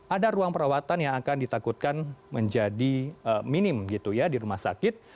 ada ruang perawatan yang akan ditakutkan menjadi minim gitu ya di rumah sakit